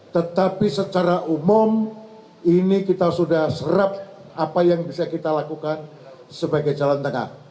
tetapi secara umum ini kita sudah serap apa yang bisa kita lakukan sebagai jalan tengah